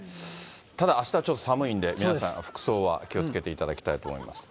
ただあしたはちょっと寒いんで、皆さん、服装は気をつけていただきたいと思います。